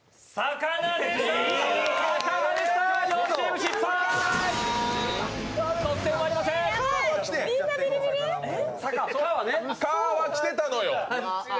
「か」はきてたのよ！